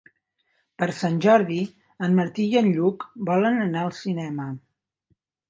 Per Sant Jordi en Martí i en Lluc volen anar al cinema.